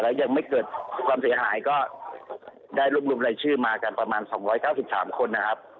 และยังไม่เกิดความเสียหายก็ได้รุ่นในชื่อมากันประมาณ๒๙๓คน